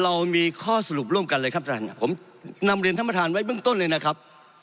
เรามีข้อสรุปร่วมกันเลยครับท่านผมนำเรียนท่านประธานไว้เบื้องต้นเลยนะครับ